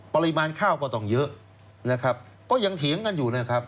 ปริมาณข้าวก็ต้องเยอะนะครับก็ยังเถียงกันอยู่นะครับ